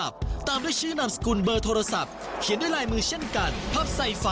ไปติดตามเลย